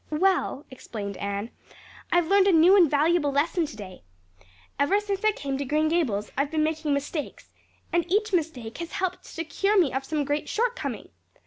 "Well," explained Anne, "I've learned a new and valuable lesson today. Ever since I came to Green Gables I've been making mistakes, and each mistake has helped to cure me of some great shortcoming.